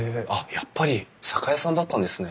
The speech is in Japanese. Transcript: やっぱり酒屋さんだったんですね。